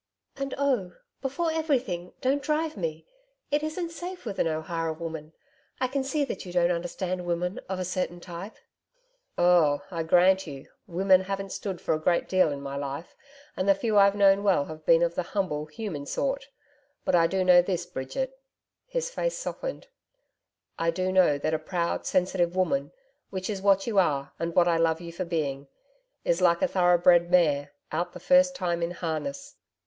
And oh! before everything, don't drive me it isn't safe with an O'Hara woman. I can see that you don't understand women of a certain type.' 'Oh! I grant you women haven't stood for a great deal in my life, and the few I've known well have been of the humble, human sort. But I do know this, Bridget' his face softened 'I do know that a proud, sensitive woman which is what you are and what I love you for being is like a thoroughbred mare, out the first time in harness.